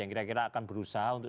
yang kira kira akan berusaha untuk